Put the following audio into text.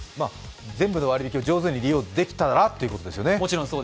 全部の割り引きを上手に利用できたらということですね。